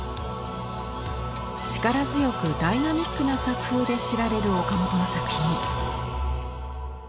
力強くダイナミックな作風で知られる岡本の作品。